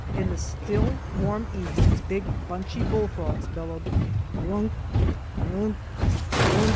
In the still, warm evenings, big bunchy bullfrogs bellowed, _Drunk!